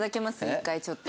一回ちょっと。